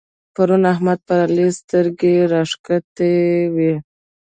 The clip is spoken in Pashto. پرون احمد پر علي سترګې راکښلې وې.